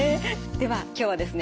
では今日はですね